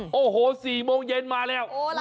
โอ้โหโอ้โห๔โมงเย็นมาแล้ว